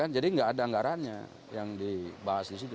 jadi tidak ada anggarannya yang dibahas di situ